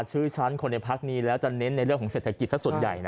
ชื่อฉันคนในพักนี้แล้วจะเน้นในเรื่องของเศรษฐกิจสักส่วนใหญ่นะ